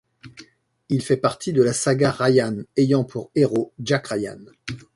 Il fait partie de la saga Ryan ayant pour héros Jack Ryan.